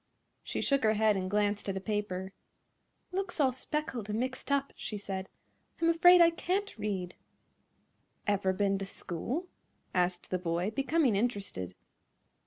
She shook her head and glanced at a paper. "It looks all speckled and mixed up," she said. "I'm afraid I can't read." "Ever ben to school?" asked the boy, becoming interested.